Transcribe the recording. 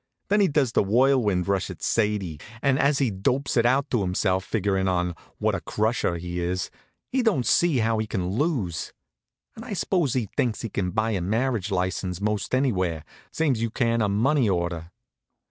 Then he does the whirlwind rush at Sadie, and as he dopes it out to himself, figurin' on what a crusher he is, he don't see how he can lose. And I suppose he thinks he can buy a marriage license most anywhere, same's you can a money order.